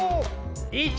１。